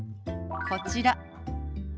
こちら。